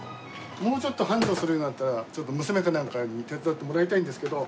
もうちょっと繁盛するようになったら娘かなんかに手伝ってもらいたいんですけど。